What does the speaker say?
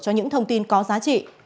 cho những thông tin có giá trị